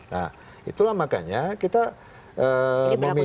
nah itulah makanya kita meminta